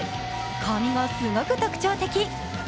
髪がすごく特徴的。